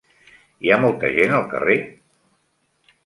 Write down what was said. Hi ha molta gent al carrer?